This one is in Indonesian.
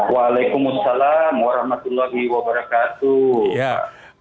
waalaikumsalam warahmatullahi wabarakatuh